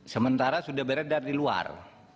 sementara sudah beredar di luar